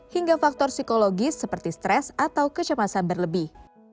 hingga faktor psikologis seperti stres atau kecemasan berlebih